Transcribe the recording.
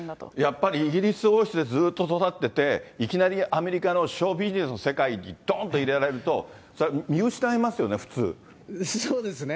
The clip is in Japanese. やっぱりイギリス王室でずっと育ってて、いきなりアメリカのショービジネスの世界にどんと入れられると、そりゃ見失いますよね、そうですね。